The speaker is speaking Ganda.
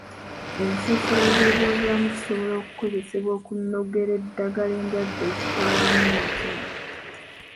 Ensiisira z'ebyobulamu zisobola okukozesebwa okunogera eddagala endwadde ezitawaanya emitima.